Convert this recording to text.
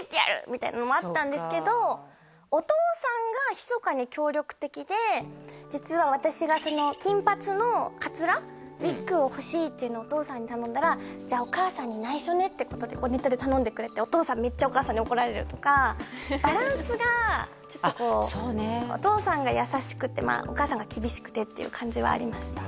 みたいなのもあったんですけど実は私が金髪のかつら「ウイッグを欲しい」っていうのをお父さんに頼んだら「じゃあお母さんに内緒ね」ってことでネットで頼んでくれてお父さんめっちゃお母さんに怒られるとかバランスがちょっとこうお父さんが優しくてお母さんが厳しくてっていう感じはありました